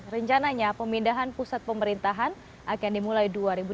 rencananya pemindahan pusat pemerintahan akan dimulai dua ribu dua puluh